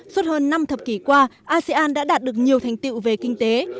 suốt hơn năm thập kỷ qua asean đã đạt được nhiều thành tiệu về kinh tế